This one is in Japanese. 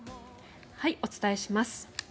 お伝えします。